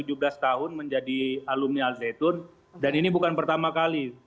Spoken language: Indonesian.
tujuh belas tahun menjadi alumni alzeitun dan ini bukan pertama kali